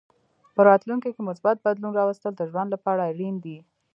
په راتلونکې کې مثبت بدلون راوستل د ژوند لپاره اړین دي.